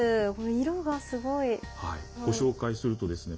色がすごい。ご紹介するとですね